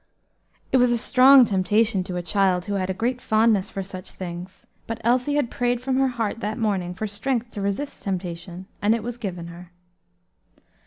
It was a strong temptation to a child who had a great fondness for such things, but Elsie had prayed from her heart that morning for strength to resist temptation, and it was given her.